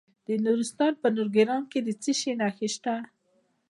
د نورستان په نورګرام کې د څه شي نښې دي؟